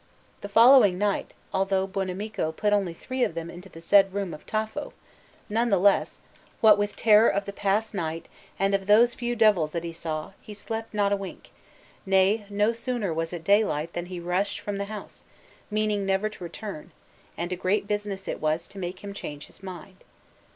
The following night, although Buonamico put only three of them into the said room of Tafo, none the less, what with terror of the past night and of those few devils that he saw, he slept not a wink; nay, no sooner was it daylight than he rushed from the house, meaning never to return, and a great business it was to make him change his mind.